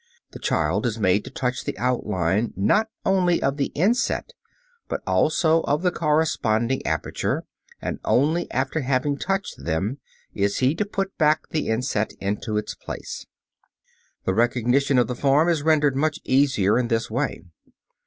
(Fig. 24.) The child is made to touch the outline, not only of the inset, but also of the corresponding aperture, and, only after having touched them, is he to put back the inset into its place. The recognition of the form is rendered much easier in this way.